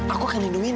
aku akan lindungi non